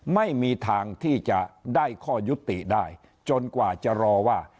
ไม่มีทางที่จะได้ข้อยุติได้จนกว่าจะรอว่า